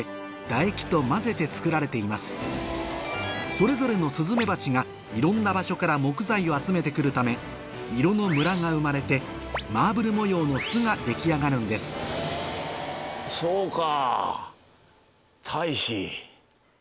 それぞれのスズメバチがいろんな場所から木材を集めてくるため色のムラが生まれてマーブル模様の巣が出来上がるんですそうか。